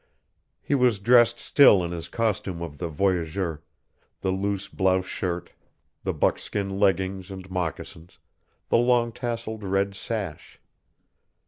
He was dressed still in his costume of the voyageur the loose blouse shirt, the buckskin leggings and moccasins, the long tasselled red sash.